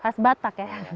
khas batak ya